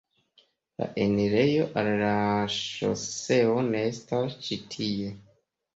La enirejo al la ŝoseo ne estas ĉi tie.